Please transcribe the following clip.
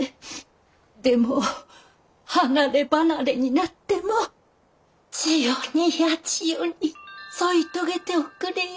でも離れ離れになっても千代に八千代に添い遂げておくれよ。